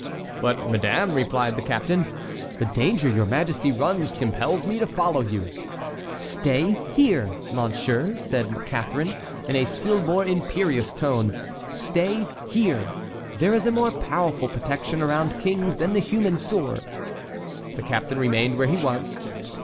"But, madame," replied the captain, "the danger your majesty runs compels me to follow you." "Stay here, monsieur," said Catharine, in a still more imperious tone, "stay here. There is a more powerful protection around kings than the human sword." The captain remained where he was.